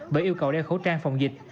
bởi yêu cầu đeo khẩu trang phòng dịch